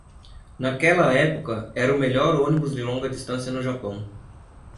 Naquela época, era o melhor ônibus de longa distância no Japão.